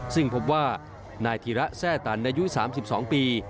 ซึ่งพบว่านายธีระแทร่ตันอายุ๓๒ปี